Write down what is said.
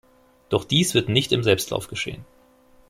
Doch dies wird nicht im Selbstlauf geschehen.